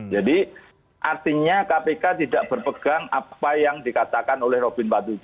jadi artinya kpk tidak berpegang apa yang dikatakan oleh robin empat puluh tujuh